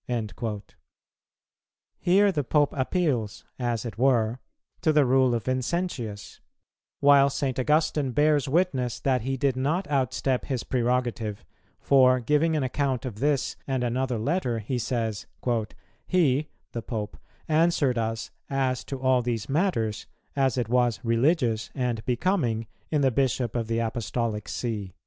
"[161:2] Here the Pope appeals, as it were, to the Rule of Vincentius; while St. Augustine bears witness that he did not outstep his Prerogative, for, giving an account of this and another letter, he says, "He [the Pope] answered us as to all these matters as it was religious and becoming in the Bishop of the Apostolic See."